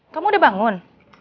kamu udah bangun